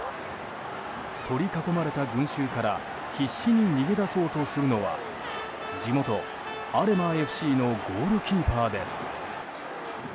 取り囲まれた群衆から必死に逃げ出そうとするのは地元アレマＦＣのゴールキーパーです。